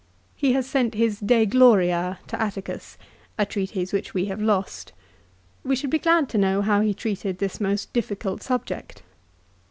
He has sent his "De Gloria" to Atticus, a treatise which we have lost. We should be glad to know how he treated this most difficult subject.